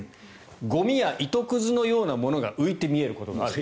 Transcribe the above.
ゴミや糸くずのようなものが浮いて見えることがある。